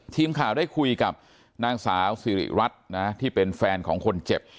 ทีมข่าวได้คุยกับนางสาวสิริรัตน์นะที่เป็นแฟนของคนเจ็บ